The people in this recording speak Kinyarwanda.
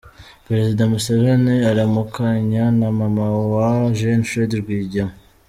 Perezida Museveni aramukanya na Maman wa Gen. Fred Rwigema